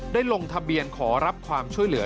ลงทะเบียนขอรับความช่วยเหลือ